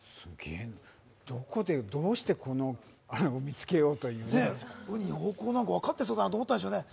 どこで、どうしてこれを見つけようというねウニ方向なんて分かってそうだなと思ったみたいですね。